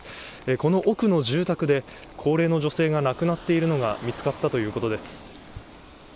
この奥の住宅で高齢の女性が亡くなっているのが見つかったということです。